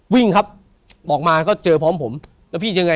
วิ่งครับออกมาก็เจอพร้อมผมแล้วพี่ยังไง